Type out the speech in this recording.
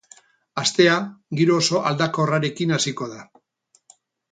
Astea giro oso aldakorrarekin hasiko da.